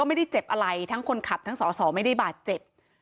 ไม่ได้เจ็บอะไรทั้งคนขับทั้งสอสอไม่ได้บาดเจ็บ